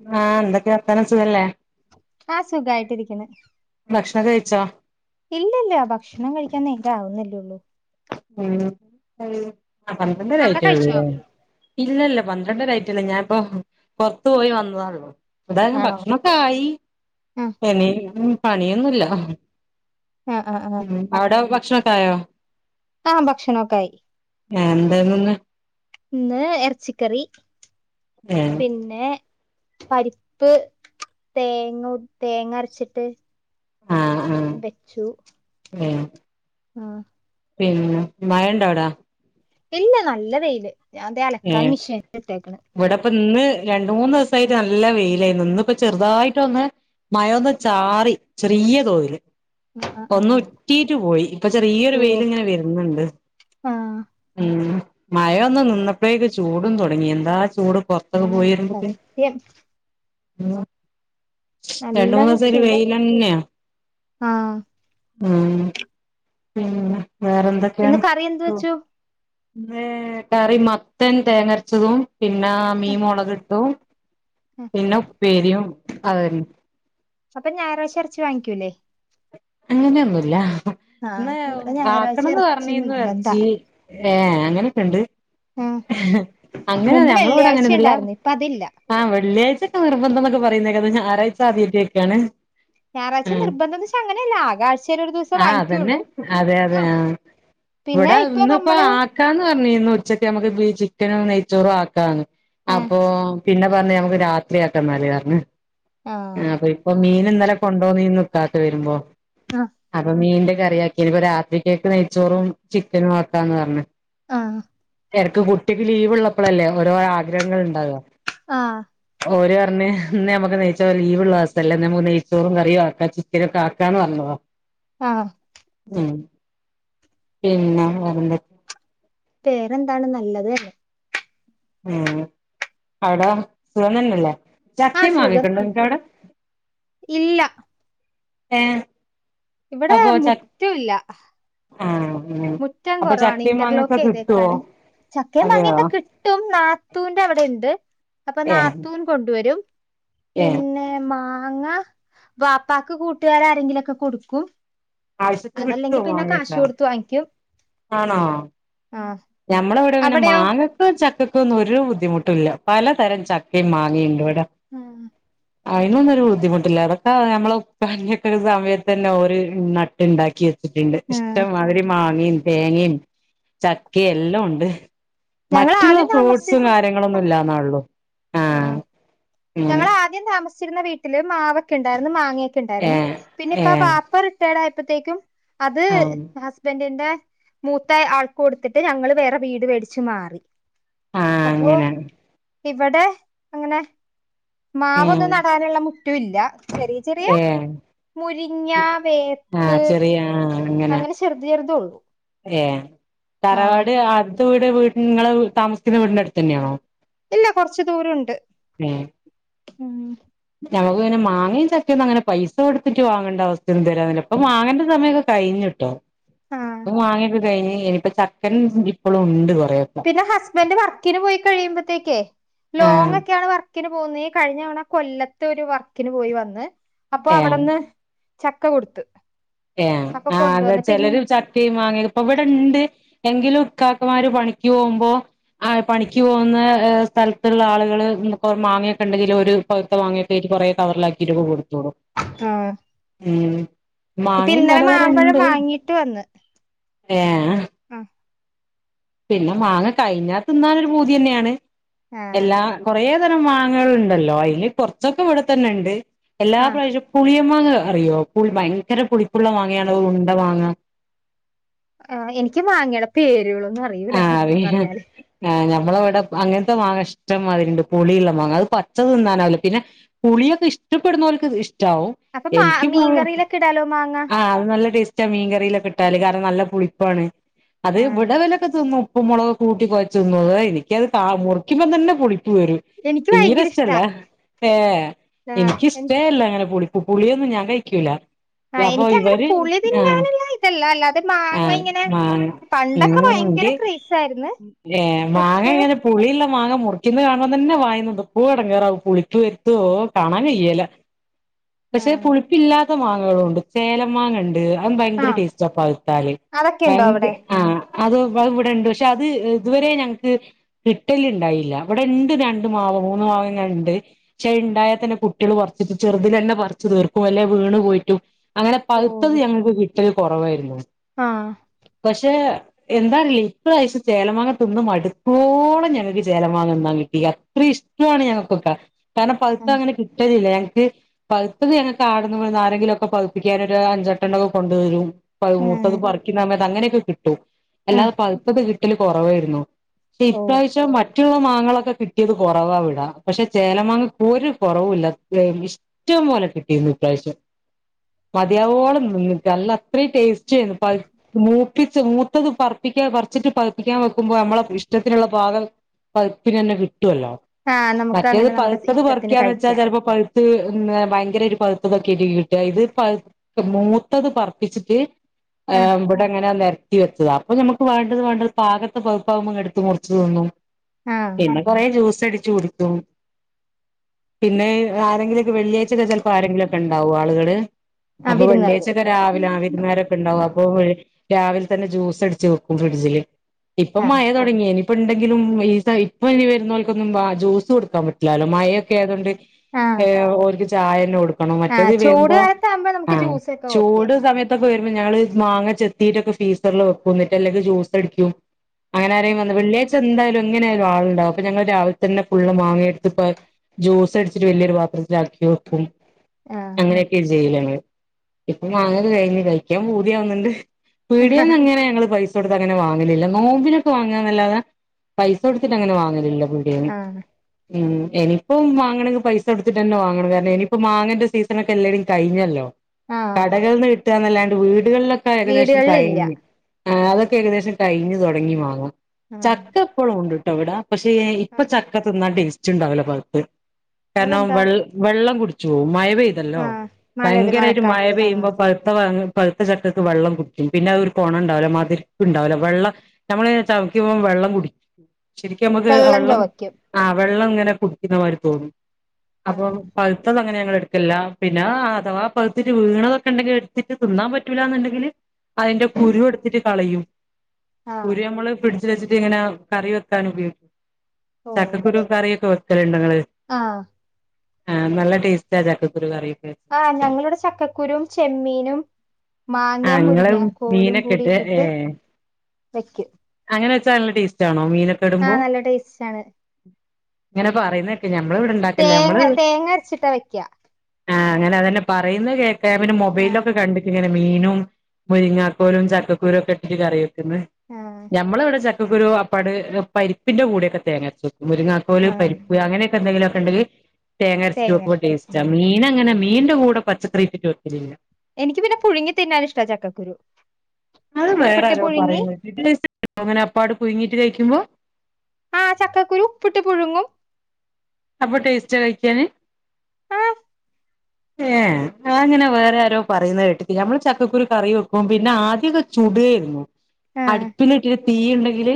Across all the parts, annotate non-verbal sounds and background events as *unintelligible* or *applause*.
ആഹ എന്തൊക്കെ വത്താന സുഖല്ലേ ആഹ സുഖയിട്ടിരിക്കണ് ഭക്ഷണം കഴിച്ച ഇല്ലല്ല ഭക്ഷണം കഴിക്കാൻ എങ്ക ആവുന്നല്ലള്ളൂ ഉ പന്ത്രണ്ടരയി അവിടെ കഴിച്ചോ ഇല്ല ഇല്ല പന് കണ്ട കറ്റല്ലേ ഞാാനിപ്പൊ പുറത്തു പോയി വന്നതാല്ലോ അത ആണോ ഭക്ഷണക്കെ ആയി ആ പിന പണിയൊന്നുംല്ല ആ ആ ആ ഉ അവിട ഭക്ഷണൊക്കായോ ആഹ് ഭക്ഷണൊക്കെ ആയി എന്തായന്നന്ന് ഇന്ന് ഇറച്ചിക്കറി ഏഹ് പിന്നെ പരിപ്പ് തേങ്ങ തേങ്ങഅരച്ചിട്ട് ആഹ് ആഹ് വെച്ചു. ഏഹ് ആഹ് പിന്നെ മയണ്ടാടാ ഇല്ല നല്ല വെയില് ഞൻതേ അലക്കാൻ ഏഹ് മിഷീൻ എത്തേക്കണ് ഇവിടെപ്പ ഇന്ന് രണ്ട മൂന്ന് ദിവസായിട്ട് നല്ല വെയിലായി ഇന്ന ഇപ്പ ചെറുതായിട്ട് ഒന്ന് മയമന്ന് ചാറി ചെറിയ തോതില് ആ ആ ആ ഒന്ന് ഒറ്റീറ്റ് പോയി ഇപ്പൊ ചെറിയൊരു ഓ വെയിലിങ്ങനെ വരുന്നുണ്ട് ആ ഉം മഴൊന്ന് നിന്നപ്പോഴേക്ക് ചൂടും തുടങ്ങി എന്താ ചൂട് പുറത്തൊക്കെ ആ പോയിരുന്നക്ക സത്യം രണ്ട മൂന്ന് ദിവസ ഒരു വെയില തന്നെയ ആഹ് ഉം പിന്നെ വേറെ ഇന്ന് എന്തൊക്കെയാണ്? കറി എന്ത് വെച്ചു കറി മത്തൻ തേങ്ങരച്ചതും പിന്നെ മീൻ മുളക് ഇട്ടും പിന്നെ ഉപേരിയും അതെന്നെ അപ്പൊ ഞായറാഴ്ച ഇറച്ചി വാങ്ങിക്കൂല്ലേ? അങ്ങനെയൊന്നുമല്ല. ഇ ഇവിടെ ഞായറാഴ്ച ആക്കണംന്ന് എറച്ചി പറഞ്ഞീന്ന് നിർബന്ധ ഇറച്ചി ഏർ അങ്ങനൊക്കെ ഉണ്ട്. ആ അങ്ങനെ മുമ്പ് നഞമ്മളോവിടെ വെള്ളിയാഴ്ച അങ്ങനെൊന്നല്ല ഉണ്ടായിരുന്നു ഇപ്പ അതില്ല ആഹ്ള്ളിയഴ്യക്കെ നിർബന്ധം എന്നൊക്കെ പറയുന്നേ ഞ ആറാഴ്ച ആദ്യമായിട്ടൊക്കെയ ആണ് ഞായറാഴ്ച ഉ നിർബന്ധം എന്ന് വെച്ചാ അങ്ങനെയല്ല ആകെ ആഴ്ചയിൽ ഒരു ദിവസം ആഹ അതന്നെ വാങ്ങിക്കുള്ളൂ അതെ അതെ ആ പിന്നെ ഇവിടെ ഇപ്പൊ ഇന്നിപ്പോൊ നമ്മള് ആക്കാന്ന് പറ ന ഉച്ചക്ക നമക്ക് ചനും നെയച്ചോറും ആക്ക ആ അപ്പോ പിന്നെ പറഞ്ഞ നമുക്ക് രാത്രിയാക്ക നാ പറഞ്ഞ ആ അപ്പൊ ഇപ്പൊ മീൻ ഇന്നലെ കൊണ്ടോന്നീ വരുമ്പോ ആ അപ്പൊ മീ- കറിയാക്കി ഇപ്പൊ രാത്രിരിക്കക്ക് നെയ്ച്ചോറും ചിക്കനും ഒക്കാന്ന് പറഞ്ഞഞ് ആഹ് ഇറക്ക് കുട്ടിക്ക് ലീവ് ഉള്ളപ്പോഴല്ലേഓരോ ആഗ്രഹങ്ങൾ ഉണ്ടാവോ ആഹ് ഓര പറഞ്ഞ ഇ നമുക്ക് നെയ്ച്ചോ ലീവ്ള്ള അവസല്ല നമ്മക്ക് നെയ്ച്ചോറും കറിയും ആക്കാം ചിച്ചിര ഒക്കെ ആക്കാന്ന് പറഞ്ഞതോ ആഹ് ഉം പിന്നെ വേറെന്ത് പേരെന്താണ് നല്ലത് ഉം അവിട സുഖം തന്നല്ലേ ആ ചക്കയും സുഖം മാങ്ങയുംഒക്കെ ഒണ്ടോ നിങ്ങക്കവിടെ ഇല്ല ഏ ഇവിടെ മുറ്റമില്ല ആഹ് ഉം മുറ്റം അപ്പൊ കുറവാണ് ചക്കയും ഇന്റർലോക്ക് മാങ്ങയൊക്കെ ചെയ്തെ. കിട്ടുവോ ക്കെയാണ് ചക്കയും അതെയോ മാങ്ങയൊക്കെ കിട്ടും നാത്തൂന്റെ അവിടെ ഉണ്ട് അപ്പൊ ഏഹ് നാത്തൂൻ കൊണ്ടുവരും ഏഹ് പിന്നെ മാ അങ്ങാ പാപ്പാക്ക് കൂട്ടുകാര് ആരെങ്കിലുമൊക്കെ കൊടുക്കും ആവശ്യത്ത് കിട്ടുമോ അതല്ലെങ്കിൽ പിന്നെ മാങ്ങയിട്ട കാശ് കൊടുത്ത് വാങ്ങിക്കും ആണോ ആ ഞമ്മടെ ഇവിടെ പിന്നെ അവിടെയോ മാങ്ങക്കും ചക്കക്കും ഒരു ബുദ്ധിമുട്ടില്ല പലതരം ചക്കയും മാങ്ങയുമുണ്ട് ആഹ് അതിനൊന്നും ഒരു ബുദ്ധിമുട്ടില്ല അതൊക്കെ നമ്മള് ഒരു സമയത്തൊക്കെ ഒരു സമയത്ത് തന്നെ ഓര് നട്ട് ഉണ്ടാക്കി നട്ടിട്ടുണ്ട് ഉം ഇഷ്ടംമാതിരി മാങ്ങയും തേങ്ങയും ചക്കയും എല്ലാം ഉണ്ട് ഞങ്ങള് മറ്റുള്ള ആദ്യം ഫ്രൂട്ട്സും താമസിച്ചിരുന്ന കാര്യങ്ങളൊന്നും സ്ഥലം ഇല്ലാന്ന ഉള്ളു ആഹ ആഹ് ഞങ്ങള് ആദ്യം താമസച്ച താമസിച്ചിരുന്ന വീട്ടില് മാവൊക്കെ ഉണ്ടായിരുന്നു മാങ്ങയൊക്കെണ്ടായിരുന്നു ഏഹ് പിന്നെ ഇപ്പ ആ ഏഹ് പാപ്പർ റിട്ടയേർഡ് ആയപ്പോഴത്തേക്കും അത് ആഹ് ഹസ്ബൻഡിന്റെ മൂത്ത ആൾക്ക കൊടുത്തിട്ട് ഞങ്ങള്ൾ വേറെ വീട് മേടിച്ചു വച്ച് മാറി ആഹ് അപ്പോൊ അങ്ങനെ ഇവിടെ അങ്ങനെ ഏഹ് മാവൊന്നും നടാനുള്ള മുറ്റുമില്ല ചെറിയ ചെറിയ ഏഹ് മുരിങ്ങ ആഹ് വേപ്പ് ചെറിയ അങ്ങനെ ചെറുത് ചെറുതെ ഉള്ളു ഏ തറവാട് അടുത്ത വീട് നിങ്ങള് താമസിക്കുന്ന വീടിന്റെ അടുത്ത് തന്നെയാണോ ഇല്ല കൊറച്ച് ദൂരമുണ്ട് ഉ നമുക്ക് അങ്ങനെ മാങ്ങേയും ചക്കയും ഒന്ന് അങ്ങനെ പൈസ കൊടുത്തിട്ട് വാങ്ങേണ്ട അവസ്ഥ ഇല്ല ഇപ്പൊമാങ്ങേടെ സമയൊക്കെഴിഞ്ഞിട്ടോ ആഹ് ഇപ്പ മാങ്ങഒക്കെകഴിഞ്ഞ് ഇനിയിപ്പ ചക്ക ഇപ്പളും ഉണ്ട് കൊറെയൊക്കെ പിന്നെ ഹസ്ബൻഡറ് വർക്കിന് പോയി കഴിയുമ്പോത്തേക്കേ ആഹ് ലോങ് ഒക്കെയാണ് വർക്ക് വർക്കിന് പോകുന്ന ഈകഴിഞ്ഞ തവണ കൊല്ലത്ത് ഒരു വർക്കിന് പോയി വന്ന് അപ്പൊ അവിടെന്ന് ചക്ക കൊടുത്ത് ഏഹ അപ്പൊ ആ അത കൊണ്ടുവന്ന് പിൻ ചിലര് ചക്കയും മാങ്ങയും ഇപ്പൊ ഇവിടെ ഒണ്ട് എങ്കിലും ഭർത്താക്കൻമാര് പണിക്ക് പോകുമ്പോ പണിക്ക് പോകുന്ന സ്ഥലത്തുള്ള ആളുകള് നമക്ക് മാങ്ങ ഒക്കെ ഉണ്ടെങ്കിൽ ഒരു പഴുത്ത മാങ്ങ ഒക്കെ കൊറേ കവറിലാക്കി കൊടുത്ത് വിടും ആഹ് ഉ ഇപ്പൊ മാങ്ങയും ഇന്നലെ പലതരം മാമ്പഴം ഉണ്ട് ഏ ആഹ പിന്നെ മാങ്ങ കഴിഞ്ഞ തിന്നാനൊരു ഭൂതി തന്നെയാണ് ആഹ് എല്ലാ കൊറെ മാങ്ങകളുണ്ടല്ലോ അതിലി കുറച്ചൊക്കെ ഇവിടെ തന്നെ ഉണ്ട് എല്ലാ പ്രാവശ്യവും പുളി മാങ്ങ അറിയോ ഭയങ്കര പുളിപ്പുള്ള വാങ്ങയാണ് ഉണ്ട മാങ്ങ ആ എനിക്ക് വാങ്ങി യുടെ പേരുകളൊന്നും അറിയിൂല സത്യം പറഞ്ഞാല് നമ്മളവിടെ അങ്ങനത്തെ മാങ്ങ ഇഷ്ടംമാതിരി ഉണ്ട് പുളിയുള്ള മാങ്ങ അത് പച്ചതിനാലാണ് പിന്നെ പുളിയൊക്കെ ഇഷ്ട ഇഷ്ടപ്പെടുന്നവർക്ക് ഇഷ്ടവും അപ്പൊ മാ എനിക്ക് പോ മീൻകറിയിലൊക്കെ ഇടാലോ മാങ്ങ ആ അത് നല്ല ടേസ്റ്റ് മീൻ കറി കിട്ടാല് കാരണം നല്ല പുളിപ്പാണ് അത് ആഹ് ഇവിടെ വില ഉപ്പ് മുളക് കൂട്ടി കൊഴച് തിന്നുന്നത് എനിക്കത് മുറുിക്കുമ്പ തന്നെ പുളിയ വര എനിക്ക് തീരെ ഭയങ്കര ഇഷ്ടാ ഇഷ്ടല്ല ഏ ആഹ് എനിക്ക് എനിക്കിഷ്ടേല്ല അങ്ങനെ പുളിക്കുന്നത് ഇ പുളിയൊന്നും ഞാൻ കഴിക്കൂല ആഹ് അപ്പോ എനിക്കങ്ങനെ ഇവര് പുളി ആഹ തിന്നാനുള്ള ഇതല്ല അല്ലാതെ മാങ്ങ ആഹ ഇങ്ങനെ ആ ഉ പണ്ടൊക്കെ ഭയങ്കര ക്രേസായിരുന്നു മാങ്ങ പക്ഷെ ഇങ്ങെനെ പുളി ഉള്ളത് മാങ്ങ മുറിക്കുന്ന കാണും പോതന്നെ വായീന് പൂയി ഇടം കയറാവും പുളിക്ക വരുത്തോ കാണാൻ കഴ്യല്ല ആ പക്ഷെ പുളിപ്പില്ലാത്ത മാങ്ങകളും ഉണ്ട് ചേലം മാങ്ങ ഉണ്ട് അ ആ ഭയങ്കര ടേസ്റ്റപ്പ പഴുത്താല് അതൊക്കെയുണ്ടോ അവിടെ ആ അത ഇവിടെണ്ട് പക്ഷെ അത് ഇതുവരെ ഞങ്ങക്ക് കിട്ടല് ഉണ്ടായില്ല ഇവിടെ ഉണ്ട് രണ്ട് മാവ് മൂന്ന് മാവ് ണ്ട് പക്ഷെ ഉണ്ടായാൽ തന്നെ കുട്ടികൾട്ട് ചെറുതി തന്നെ പറച്ച്ു തീർക്കും അല്ലോ വീണ് പോയിട്ടു അങ്ങനെ ഓ പക്ത്തത് ഞങ്ങൾക്ക് കിട്ടൽ കുറവായിരുന്നു ആ പക്ഷെ എന്താറിയില്ല ഇപ്രാവശ്യം ചേലമാങ്ങ തിന്ന് മടുത്തോളം ഞങ്ങക്ക് ചേലമാങ്ങ നിന്നാൻ കിട്ടി അത്ര ഇഷ് ട്ടാണ് ഞങ്ങൾക്കൊക്കെ കാരണം ആ പകുത്ത അങ്ങനെ കിട്ടലില്ല ഞ ക്ക് പകുത്തത് ഞങ്ങക്ക് ആടന്ന് ആരെങ്കിലും ഒക്കെ പകുപ്പിക്കാനായിട്ട് ഒരു അഞ്ചെട്ടണോക്കെ കൊണ്ടുവരും ആ മൂത്തത് പറിക്കുന്ന അങ്ങനെയൊക്കെ കിട്ടും ആ ട്ടിൽ കുറവായിരുന്നു ഈ ഓ പ്രാവിശ്യം മറ്റുള്ള മ ങ്ങളൊക്കെ കിട്ടിയത് കുറവാ ഇവിട പക്ഷെ ചേലമാങ്ങക്ക് ഒരു കുറവില്ല ഇഷ്ടം പോലെ കി ട്ടി ഇപ്രാവിശ്യം മതിയാവോളം തിന്ന് നല്ല അത്ര ടേസ് റ്റയിന് മൂപ്പിച്ച മൂത്തത് പറ പിക്ക പറിച്ചിട്ട് പയിപ്പിക്കാൻ വെക്കുമ്പോൾ നമ്മളെ ഇഷ്ടത്തിനുള്ള ഭാഗം പയിപ്പിന് തന്നെ കി ട്ടുവല്ലോ ആ നമുക്ക് മറ്റേത് അങ്ങനെ നമ്മുടെ പഴുത്തത് ഇഷ്ടത്തിന് പറിക്കിയാന്ന് വെച്ചാൽ കഴിക്കാം ചിലപ്പോ പഴ് ഭയങ്കര ഒരു പതുത്തതൊക്കെ അല്ലെ കിട്ടുക ഇത് മൂത്തത് പർപ്പിച്ചിട്ട് ആ ആഹ് ഇവിടെ ഇങ്ങനെ നിരത്തി വെക്കാ അപ്പൊ നമക്ക് വേണ്ടത് വേണ്ടത് പാകത്തെ പയ്പ്പ് ആകുമ്പോ ഇങ്ങു എടുത്ത് മുറിച്ചു തിന്നും ആ പിന്നെ കുറെ ജ്യൂസ്‌ സടിച്ച് കുടിക്കും പിന്നെ ആരെങ്കിലും വെള്ളിയ്ച്ചക്ക ചിലപ്പോ ആരെങ്കിലും ഒക്കെണ്ടാവും ആളുകള് ആ അപ്പൊ വിരുന്നുകാര് വെള്ളിയാഴ്ചൊക്കെ രാവിലെ ആ വിരുന്നരൊക്കെ ഉണ്ടാവും അപ്പൊ രാവിലെ തന്നെ ജ്യൂസ് അടിച്ച് വെക്കും ഫ്രിഡ്ജില് ഇപ്പം ആ മഴ തുടങ്ങിയിനി ഇപ്പ ഉണ്ടെങ്കിലും ഈ ഇപ്പ ഇനി വരുന്നവർക്കൊന്നും ജ്യൂസ് കൊടുക്കാൻ പറ്റ റ്റുല്ലല്ലോ മയ ഒക്കെ ആയതൊണ്ട് ആ ഓൾക്ക് ചായ തന്നെ കൊടു ക്കണം ആ മറ്റെത് ചൂട് വരുമ്പോ കാലത്താകുമ്പോ നമുക്ക് ആഹ് ജ്യൂസൊക്കെ ഓക്കെ ചൂട് സമയത്ത് വരുമ്പോ ഞങ്ങള് മാങ്ങ ചെത്തിട്ടൊക്കെ ഫീസറില് വെക്കും എന്നിട്ട് അല്ലെങ്കിൽ ജ്യൂസ് അടിക്കും അങ്ങനരെ ആ വന്ന് വെള്ളിയാഴ്ച എന്താലും എങ്ങനായാലും ആളുണ്ടാവും അപ്പൊ ഞങ്ങൾ രാവിലെ ഫുള്ള് മാങ്ങയെടുത്ത് ജ്യൂസ്‌ അടിച്ച് വലിയൊരുപത്രത്തി ലക്കി വെക്കും ആ അങ്ങനെയൊക്കെ ചെയ്ല് ഞങ്ങൾ ഇപ്പൊ മാങ്ങേക്കെ കഴിഞ്ഞ് കയിക്കാൻ പൂതിയാവുന്നുണ്ട് പീടിയെന്ന് അങ്ങനെ ഞങ്ങള് പൈസ കൊടുത്ത് അങ്ങനെ വാങ്ങലില്ല നോമ്പിനൊക്കെ വാങ്ങാനല്ലതേ പൈസ കൊടുത്തിട്ട് അങ്ങനെ വാങ്ങ ലില്ല പിടിയെന്ന് ആ ഉം ഇനിയിപ്പം വാങ്ങണെങ്കിൽ പൈസ കൊടുത്തിട്ട് തന്നെ വാങ്ങണം കാരണം ഇനിയിപ്പോ മാങ്ങന്റെ സീസണോക്കെ എല്ലാരും കഴിഞ്ഞല്ലോ ആ കടകൾന്ന് കിട്ടുന്നല്ലാണ്ട് വീടുകളിലൊക്കെ ഏകദേശം വീടുകളിലില്ല കഴിഞ്ഞ് ആഹ് അതൊക്കെ ഏകദേശം കഴിഞ്ഞു തുടങ്ങി മാങ്ങ ആ ചക്ക എപ്പോഴും ഉണ്ടിട്ടോ ഇവിട പക്ഷേ ആ ഇപ്പൊ ചക്ക തിന്ന ടേസ്റ്റ് ഉണ്ടാവുലാ *unintelligible* കാരണം അതെന്താ വെ വെള്ളം കുടി ചോവും മഴ പെയ്തല്ലോ ആ മഴ ഭയങ്കര ആയിട്ട് മഴ മഴക്കാലത്ത് ആ പെയ്യുമ്പോ പഴുത്ത ഭാഗ പഴുത്ത ചക്കക്ക് വെള്ളം കുടിക്കും പിന്നെ അത് ഒരു കോണ ണ്ടവില്ല മധുര ഉണ്ടാവുലാ വെള്ളം നമ്മള് ഇങ്ങനെ ചവക്കുമ്പ വെള്ളം കുടി ശരിക്ക് നമുക്ക് ആ വെള്ളം ആഹ് വെള്ളം ഇങ്ങനെ കുടിക്കുന്ന മാതിരി തോന്നും ആ അപ്പം പഴുത്തത് അങ്ങനെയ എടുക്കലില്ല പിന്നെ അഥവാ പകുതിട്ട് വീണതൊക്കെ ഉണ്ടെങ്കിൽ എടുത്തിട്ട് തിന്നാൻ പറ്റൂല എന്നുണ്ടെങ്കില് അതിന്റെ കുരു എടു തിട്ട് കളയും ആ കുര് നമ്മള് ഫ്രിഡ്ജിൽ വെച്ചിട്ട് ഇങ്ങനെ കറി വെക്കാൻ ഉപയോഗിക്കും ചക്കക്കരു കറിയൊക്കെ വെക്കലുണ്ടിങ്ങള് ആഹ് ആഹ് നല്ല ടേസ്റ്റ ചക്കക്കുരു കറി ആഹ് ഞങ്ങളിവിടെ ചക്കക്കുരും ചെമ്മീനും മാങ്ങേ ആഹ് ഇങ്ങള് മുരിങ്ങ കോലും മീനൊക്കെ കൂടി ഇട്ട് ഇട്ടിട്ട് ഏഹ് വെക്കും ത് നല്ല ടെസ്റ്റ് ആണോ മീനൊക്കെ ഇടുമ്പോ ആഹ് നല്ല ടേസ്റ്റ് ആണ് ഇങ്ങനെ പറയുന്നെക്കാ ഞമ്മൾ ഇവിടെ ഇണ്ടാക്കല്ല തേങ്ങ ഞമ്മള് തേങ്ങ അരച്ചിട്ടാ വെക്ക ആഹ് അങ്ങന അതന്നെ പറയുന്ന കേൾക്കാ പിന്ന ആ മൊബൈലോക്കെ കണ്ടിക്ക് ഇങ്ങനെ മീനും മുരിങ്ങോക്കോലും ചക്കക്കുരു ഒക്കെ ഇട്ടിട്ട് കറി വെക്ക്ന്ന് ആ നമ്മള് ഇവിടെ ച ഒരു അപ്പാട് പരിപ്പിന്റെ കൂടെക്കെ തേങ്ങരച്ക്കും മുരുങ്ങാക്കോൽ ആ പരിപ്പ് അങ്ങനെക്കെ എന്തെലു ങ്കി തേങ്ങരച്ചിട്ട് തേങ്ങ വെക്കുമ്പോ അരക്കും ടേസ്റ്റ് മീനങ്ങനെ മീന്റെ കൂടെ പച്ചക്കറിട്ടിട്ട് വെക്കില്ല എനിക്ക് പിന്നെ പുഴുങ്ങി തിന്നാൻ ഇഷ്ട ചക്കക്കുരു അത് ഉപ്പിട്ട് വേറാരോ പുഴുങ്ങി പറയ്ന്നേട്ട് അങ്ങനെ അപ്പാട് പുഴ്ങ്ങിട്ട് കയ്ക്കുമ്പോ ആ ചക്കക്കുരു ഉപ്പിട്ട് പുഴുങ്ങും അപ്പൊ ടേസ്റ്റ് കഴിക്കാന് ആ ഏ അതങ്ങനെ വേറെ ആരോ പറയുന്ന കേട്ടിട്ടി ഞമ്മൾ ചക്കക്കുരു കറി വെക്കുമ്പിന്നെ ആദ്യഒക്കെ ചുടായിരുന്നു ആ അടുപ്പിലു ഇച്ചിരി തീ ഉണ്ടെങ്കില്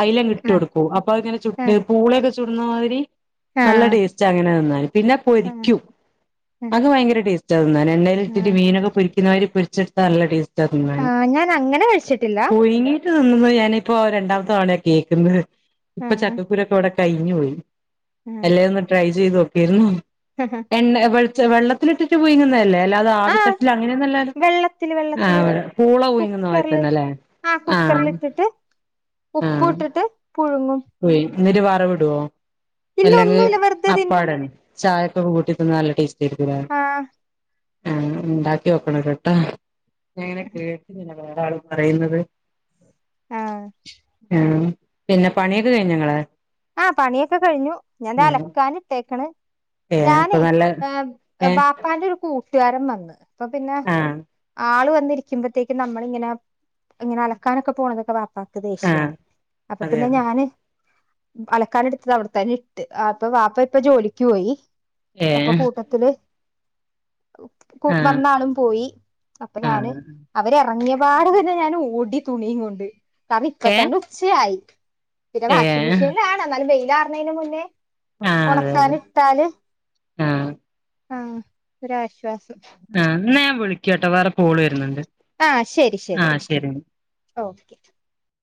അയലു അങ്ങ് ഇട്ട് ആ കൊടുക്കൂ അപ്പൊ അങ്ങനെ ആ ചുട്ട് പൂളൊക്കെ ചുട്ന്നമാതിരി ആ നല്ല ടേസ്റ്റ് അങ്ങനെ തിന്നാല് പിന്നെ ആ പൊരിക്കും ആ അത് ഭയങ്കര ടേസ്റ്റ് അങ്ങനെന്നെ ആ ഒരുത്തിരി മീനൊക്കെ പൊരിക്കുന്ന മാതിരി പൊരിച്ച്ട്ത്താ നല്ല ടേസ് റ്റാ ആ തിന്നാന്. ഞാൻ അങ്ങനെ കഴിച്ചിട്ടില്ല പുഴുങ്ങിട്ട് ത്തുന്നുന്നെ ഞാനിപ്പോ രണ്ടാമത്തെ തവണയ കേൾക്കുന്നത്. ആ ഇപ്പൊ ചക്കക്കുരൊക്കെ ഇവിടെ കഴിഞ്ഞു പോയി. ആ എല്ലെ ഒന്ന് ട്രൈ ചെയ്ത് നോക്കേരുന്നു. എണ്ണ വെൾച് വെള്ളത്തിലിട്ടിട്ട് പുഴുങ്ങുന്ന അല്ലെ അല്ലാതെ ആ ആവിത്തട്ടിൽ അങ്ങനെന്നല്ലാലൊ. വെള്ളത്തില് വെള്ളത്തില് ആഹ് പൂള പുഴുങ്ങുന്നപോലെ തന്നെ അല്ലേ? ആഹ് കുക്കറിൽ ഇട്ടിട്ട് ഉപ്പ് ഇട്ടിട്ട് പുഴുങ്ങും. പുഴ്ങ്. എന്നിട്ട് വറവിടോ? ഇല്ല അല്ലെങ്കിൽ ഒന്നുമില്ല വെറുതെ തിന്നും അപ്പാടെ ചായയ്ക്ക് കൂട്ടി തിന്നാൻ നല്ല ടേസ്റ്റ് ആയിരിക്കുല്ലേ ആഹ് ആഹ് ഉണ്ടാക്കി നോക്കണം ഒരവട്ടം. ഞാൻ ഇങ്ങനെ കേട്ട് വേറെ ആള് പറയുന്നത്. ആഹ് ആഹ് പിന്നെ പണിയൊക്കെ കഴിഞ്ഞൊ ഇങ്ങളെ? ആഹ് പണിയൊക്കെ കഴിഞ്ഞു. ഞാൻ ഏഹ് അലക്കാൻ ഇട്ടേക്കണ്. ഏഹ് ഇപ്പൊ ഞാനേ നല്ല ഏഹ് ബാപ്പാന്റെ ഒരു കൂട് ട്ടുകരൻ വന്നു അപ്പോപിനെ ആഹ് ആള് വ ന്നിരിക്കുമ്പതേക്കും നമ്മള് ഇങ്ങനെ ഇങ്ങനെ അലക്കാനൊക്കെ പോണത് ബാ പാക്ക് ആഹ് ദേഷിയാണ് അപ്പൊ അതെ പിന്നെ ഞാന് അലക്കാൻ എടുത്തത് അവിടുത്തന്നെ ഇട്ട് അപ്പൊ ബാപ്പ ഇപ്പ ജോലിക്ക് പോയി അപ്പൊ ഏഹ് കൂട്ടത്തില് ആഹ് വന്നാളും പോയി അപ്പൊ ഞാന് ആഹ് അവരെ എറ ഇറങ്ങിയ പാട് തന്നെ ഞാൻ ഓടി തുണിയിം കൊണ്ട് കാരണം ഇപ്പ ഏഹ് തന്നെ ഉച്ചയായി ഏഹ് എന്നല് വെയിലാറുണേന് മുന്നേ ആഹ് അതെ അതെ ആഹ് ഉണക്കാന് ഇട്ടാല് ആഹ് ഒരുരാശ ആ ഇന്നാ ഞാൻ വിളിക്ക കേട്ടോ വേറെ കൊള് വരുന്നുണ്ട് ആഹ് ശരി ശരി ഓക്കെ